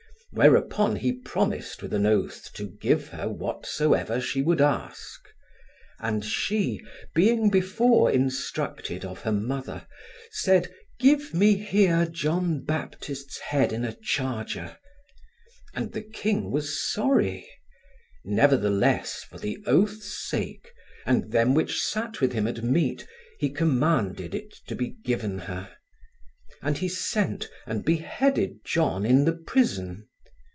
Whereupon he promised with an oath to give her whatsoever she would ask. And she, being before instructed of her mother, said: Give me here John Baptist's head in a charger. And the king was sorry: nevertheless, for the oath's sake, and them which sat with him at meat, he commanded it to be given her. And he sent, and beheaded John in the prison.